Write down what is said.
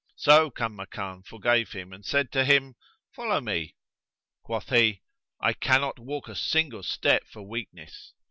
So Kanmakan forgave him and said to him, "Follow me." Quoth he, "I cannot walk a single step for weakness."